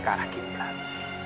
ke arah qiblat